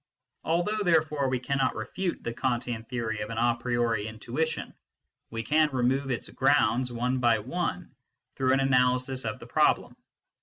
Although, therefore, we cannot refute the Kantian theory of an a priori intuition, we can remove its grounds one by one through an analysis of the problem.